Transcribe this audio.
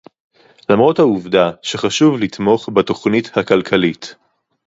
למרות העובדה שחשוב לתמוך בתוכנית הכלכלית